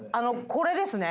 これですね。